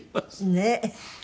ねえ！